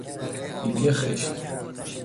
بیبی خشت